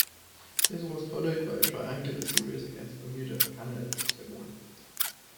This was followed by a triangular series against Bermuda and Canada, which they won.